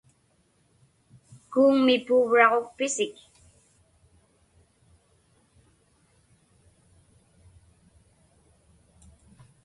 Kuuŋmi puuvraġukpisik?